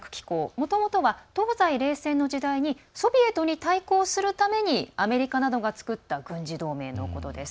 もともとは東西冷戦の時代にソビエトに対抗するためにアメリカなどが作った軍事同盟のことです。